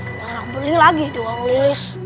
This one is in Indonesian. harap beli lagi doang liles